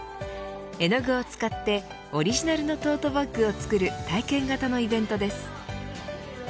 絵の具を使ってオリジナルのトートバッグを作る体験型のイベントです。